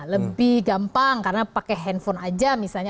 lebih gampang karena pakai handphone aja misalnya